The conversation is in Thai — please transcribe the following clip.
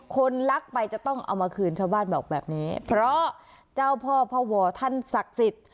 คนรักไปจะต้องเอามาคืนชาวบ้านบอกแบบนี้เพราะเจ้าพ่อพ่อวอท่านศักดิ์สิทธิ์